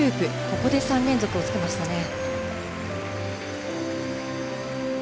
ここで３連続をつけましたね。